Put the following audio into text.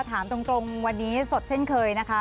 ถามตรงวันนี้สดเช่นเคยนะคะ